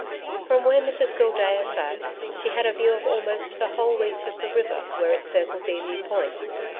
From where Mrs Gildea sat, she had a view of almost the whole reach of the river where it circles Emu Point.